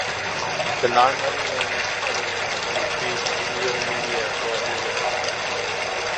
The non-linear editing retrieves video media for editing.